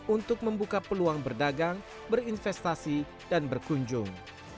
untuk membuka peluang berdagang berinvestasi dan berkunjung